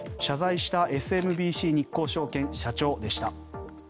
謝罪したＳＭＢＣ日興証券社長でした。